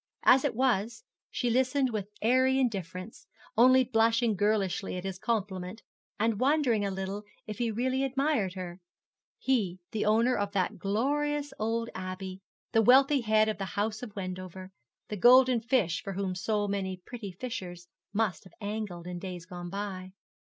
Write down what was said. As it was, she listened with airy indifference, only blushing girlishly at his compliment, and wondering a little if he really admired her he the owner of that glorious old Abbey the wealthy head of the house of Wendover the golden fish for whom so many pretty fishers must have angled in days gone by.